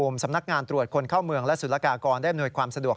สำนักงานตรวจคนเข้าเมืองและสุรกากรได้อำนวยความสะดวก